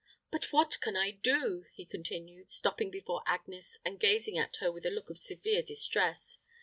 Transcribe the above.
"But what can I do?" he continued, stopping before Agnes and gazing at her with a look of sincere distress.